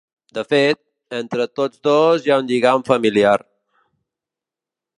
De fet, entre tots dos hi ha un lligam familiar.